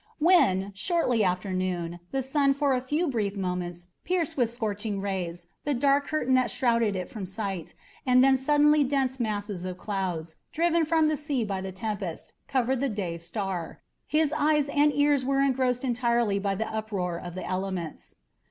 When, shortly after noon, the sun for a few brief moments pierced with scorching rays the dark curtain that shrouded it from sight, and then suddenly dense masses of clouds, driven from the sea by the tempest, covered the day star, his eyes and cars were engrossed entirely by the uproar of the elements.